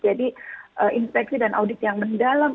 jadi inspeksi dan audit yang mendalam